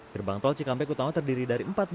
gerbang tol cikampek utama terdiri dari empat belas